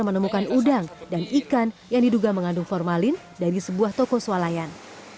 menemukan udang dan ikan yang diduga mengandung formalin dari sebuah toko swalayan